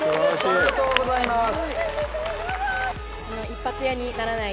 おめでとうございます。